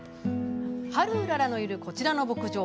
ハルウララのいる、こちらの牧場。